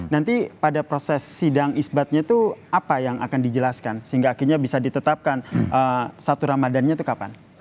nanti pada proses sidang isbatnya itu apa yang akan dijelaskan sehingga akhirnya bisa ditetapkan satu ramadhannya itu kapan